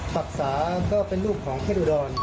ปักษาก็เป็นรูปของเข็ดอุดร